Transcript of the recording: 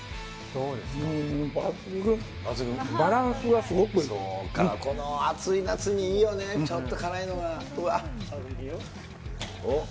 そうか、この暑い夏にいいよね、ちょっと辛いのが、うわっ。